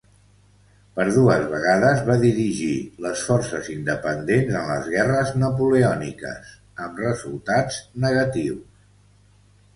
Per dues vegades va dirigir les forces independents en les guerres napoleòniques, amb resultats negatius.